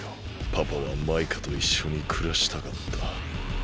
パパはマイカといっしょにくらしたかった。